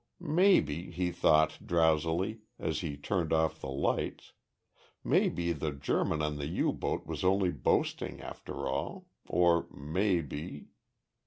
Maybe, he thought, drowsily, as he turned off the light maybe the German on the U boat was only boasting, after all or, maybe....